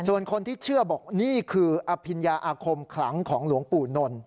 ส่วนคนที่เชื่อบอกนี่คืออภิญญาอาคมขลังของหลวงปู่นนท